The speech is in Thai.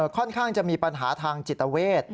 ค่อนข้างจะมีปัญหาทางจิตเวท